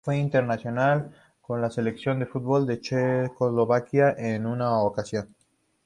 Fue internacional con la selección de fútbol de Checoslovaquia en una ocasión.